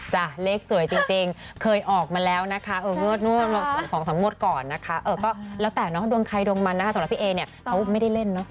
เลขสวยจริงเคยออกมาแล้วนะคะเอองวดนู้น๒๓งวดก่อนนะคะก็แล้วแต่เนาะดวงใครดวงมันนะคะสำหรับพี่เอเนี่ยเขาไม่ได้เล่นเนอะ